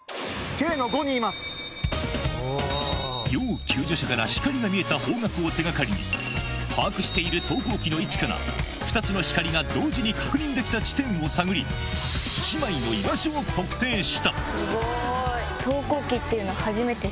要救助者から光が見えた方角を手がかりに把握している投光器の位置から２つの光が同時に確認できた地点を探りそしてよし！